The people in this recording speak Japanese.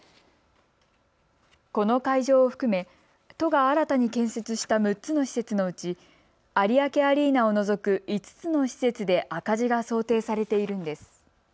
この会場を含め都が新たに建設した６つの施設のうち有明アリーナを除く５つの施設で赤字が想定されているんです。